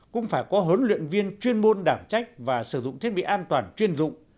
cũng phải có huấn luyện viên chuyên môn đảm trách và sử dụng thiết bị an toàn chuyên dụng